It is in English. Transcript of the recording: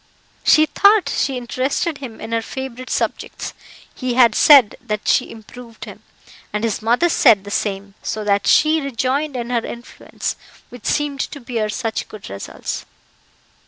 She thought she interested him in her favourite subjects; he had said that she improved him, and his mother said the same; so that she rejoined in her influence, which seemed to bear such good results.